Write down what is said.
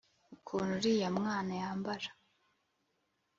ukuntu uriya mwana yambara